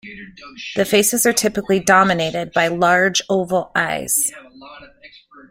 The faces are typically dominated by large oval eyes.